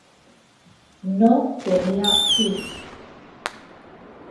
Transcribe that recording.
No tenia fills.